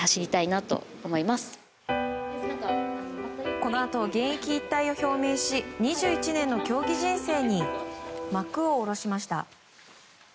このあと現役引退を表明し２１年の競技人生に幕を下ろしました。